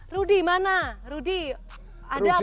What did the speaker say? rudy mana rudy ada atau enggak